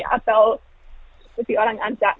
atau seperti orang ansek